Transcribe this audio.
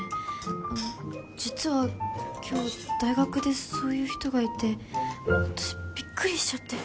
あの実は今日大学でそういう人がいて私びっくりしちゃって。